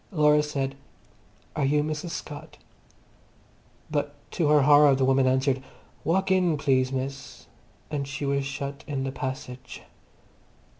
Laura said, "Are you Mrs. Scott?" But to her horror the woman answered, "Walk in please, miss," and she was shut in the passage.